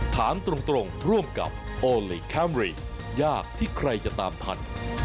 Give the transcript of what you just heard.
ถามตรงร่วมกับโอลี่คัมรี่ยากที่ใครจะตามทัน